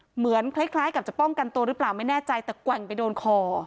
เหมือนคล้ายกับจะป้องกันตัวหรือเปล่าไม่แน่ใจแต่แกว่งไปโดนคอ